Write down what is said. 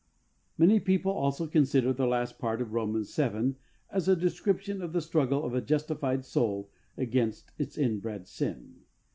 Many people also consider the last part of Rom. vii. as a description of the struggle of a justified soul against its inbred sin.